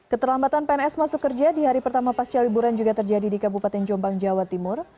keterlambatan pns masuk kerja di hari pertama pasca liburan juga terjadi di kabupaten jombang jawa timur